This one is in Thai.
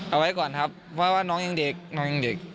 เอาไว้ก่อนครับเพราะว่าน้องยังเด็ก